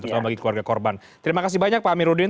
terutama bagi keluarga korban terima kasih banyak pak amiruddin